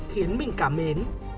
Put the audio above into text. khiến mình cảm mến